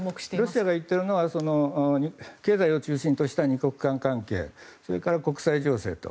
ロシアが言っているのは経済を中心とした２国間関係それから国際情勢と。